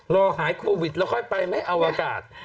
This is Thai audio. รอหายโควิดแล้วค่อยไปไม่เอาอากาศ